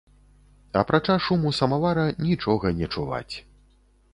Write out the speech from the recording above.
Апрача шуму самавара, нічога не чуваць.